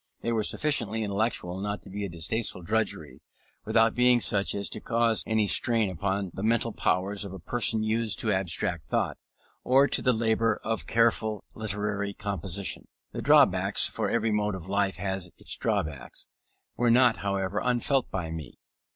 They were sufficiently intellectual not to be a distasteful drudgery, without being such as to cause any strain upon the mental powers of a person used to abstract thought, or to the labour of careful literary composition. The drawbacks, for every mode of life has its drawbacks, were not, however, unfelt by me.